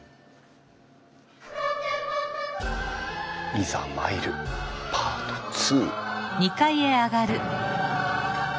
いざ参るパート２。